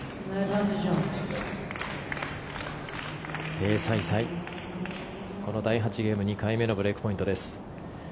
テイ・サイサイ、この第８ゲーム２回目のブレークポイントです。